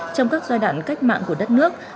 trong các giai đoạn cách mạng của đất nước